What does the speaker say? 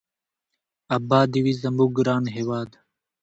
اباد دې وي زموږ ګران هېواد.